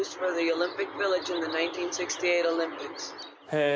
へえ。